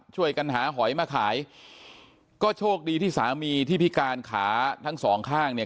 ช่วยกันหาหอยมาขายก็โชคดีที่สามีที่พิการขาทั้งสองข้างเนี่ย